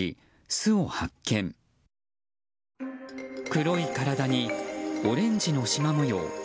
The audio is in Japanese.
黒い体に、オレンジのしま模様。